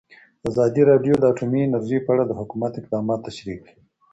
ازادي راډیو د اټومي انرژي په اړه د حکومت اقدامات تشریح کړي.